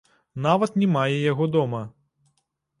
Нават не мае яго дома.